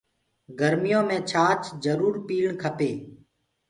گرميو مي ڇآچ جرور پيٚڻي کپي۔